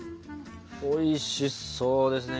おいしそうですね。